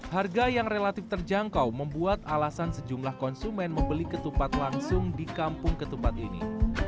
harga yang relatif terjangkau membuat alasan sejumlah konsumen membeli ketupat langsung di kampung ketupat ini